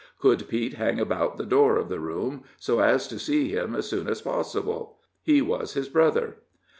Could Pete hang about the door of the room, so as to see him as soon as possible? he was his brother.